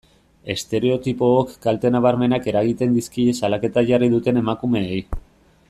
Estereotipook kalte nabarmenak eragiten dizkie salaketa jarri duten emakumeei.